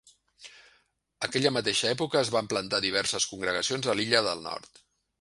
Aquella mateixa època es van plantar diverses congregacions a l'Illa del Nord.